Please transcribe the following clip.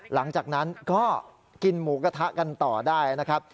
หลังจากนั้นก็กินหมูกระทะกันต่อได้นะครับ